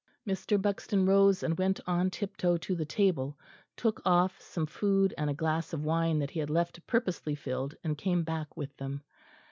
Mr. Buxton rose and went on tip toe to the table, took off some food and a glass of wine that he had left purposely filled and came back with them.